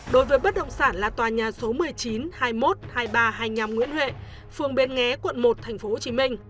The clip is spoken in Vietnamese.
đối với bất động sản là tòa nhà số một mươi chín hai mươi một hai nghìn ba trăm hai mươi năm nguyễn huệ phường bến nghé quận một tp hcm